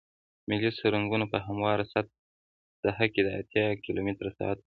ملي سرکونه په همواره ساحه کې د اتیا کیلومتره سرعت لري